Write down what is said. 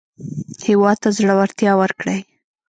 هېواد ته زړورتیا ورکړئ